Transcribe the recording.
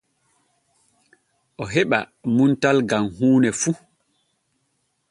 O heɓa muntal gam huune fu.